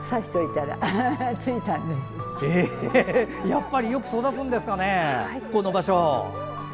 やっぱりよく育つんですかね、この場所。